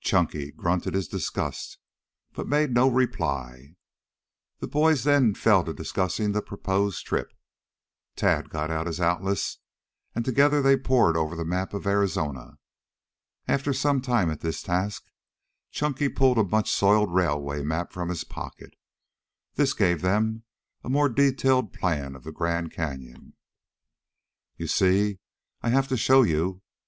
Chunky grunted his disgust, but made no reply. The boys then fell to discussing the proposed trip. Tad got out his atlas and together they pored over the map of Arizona. After some time at this task, Chunky pulled a much soiled railway map from his pocket. This gave them a more detailed plan of the Grand Canyon. "You see, I have to show you.